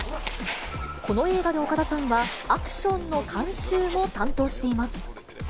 この映画で岡田さんはアクションの監修も担当しています。